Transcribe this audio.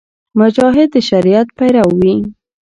مجاهد د شریعت پیرو وي.